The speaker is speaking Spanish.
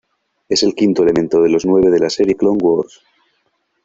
Es el quinto elemento de los nueve de la serie Clone Wars.